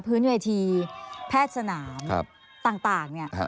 พื้นเวทีแพทย์สนามต่างเนี่ย